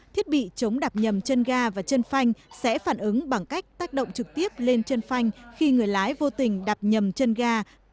thiết bị chống đạp nhầm chân ga và chân phanh sẽ phản ứng bằng cách tác động trực tiếp lên trên phanh khi người lái vô tình đạp nhầm chân ga